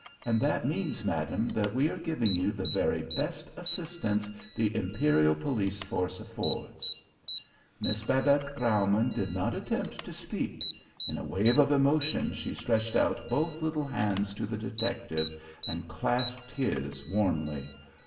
And that means, Madam, that we are giving you the very best assistance the Imperial Police Force affords." Miss Babette Graumann did not attempt to speak. In a wave of emotion she stretched out both little hands to the detective and clasped his warmly.